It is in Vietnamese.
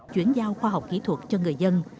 chuyển giao khoa học kỹ thuật cho người dân